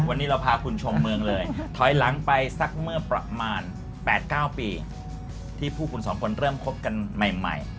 วันนี้เราพาคุณชมเมืองเลยถอยหลังไปสักเมื่อประมาณ๘๙ปีที่พวกคุณสองคนเริ่มคบกันใหม่